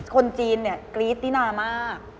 คนจีนเนี่ยกรี๊ดตินามาก